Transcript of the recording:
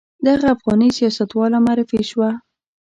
دغه افغاني سیاستواله معرفي شوه.